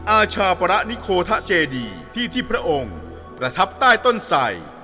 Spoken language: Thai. อาชาปรณิโคทะเจดีที่ที่พระองค์ประทับใต้ต้นไส